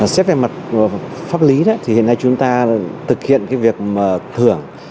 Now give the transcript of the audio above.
xét về mặt pháp lý hiện nay chúng ta thực hiện việc thưởng